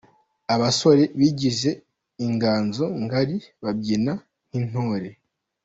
Abasore bagize Inganzo Ngari babyina nk’Intore.